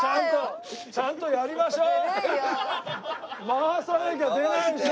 回さなきゃ出ないでしょ！